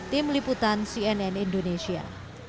tim liputan cnn indonesia